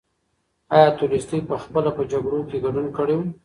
ایا تولستوی پخپله په جګړو کې ګډون کړی و؟